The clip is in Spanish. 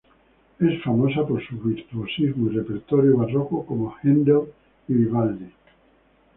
Es famosa por su virtuosismo y repertorio barroco como Händel y Vivaldi.